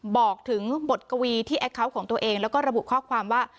บอกถึงบทกวีที่แอคเคาน์ของตัวเองแล้วก็ระบุข้อความว่า